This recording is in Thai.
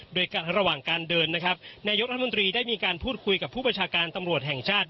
โดยระหว่างการเดินนะครับนายกรัฐมนตรีได้มีการพูดคุยกับผู้ประชาการตำรวจแห่งชาติ